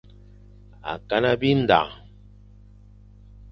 Akana bindañ.